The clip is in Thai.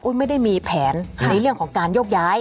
ไม่ได้มีแผนในเรื่องของการโยกย้าย